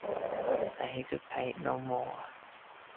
Then he could paint no more.